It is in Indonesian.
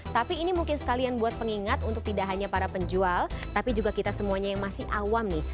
tapi ini mungkin sekalian buat pengingat untuk tidak hanya para penjual tapi juga kita semuanya yang masih awam nih